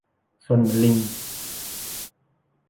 ซนเหมือนลิง